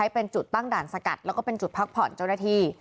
เป็นจุดตั้งด่านสกัดเจ้าหน้าที่